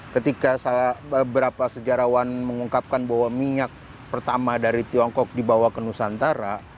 ketika beberapa sejarawan mengungkapkan bahwa minyak pertama dari tiongkok dibawa ke nusantara